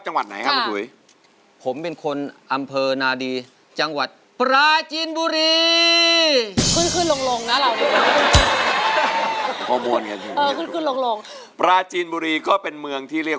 ใช้มือเลยไม่มีเครื่องเลย